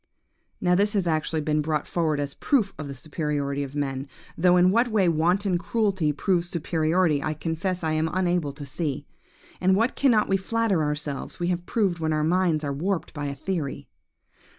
"Now this has actually been brought forward as a proof of the superiority of man; though in what way wanton cruelty proves superiority, I confess I am unable to see. But what cannot we flatter ourselves we have proved when our minds are warped by a theory!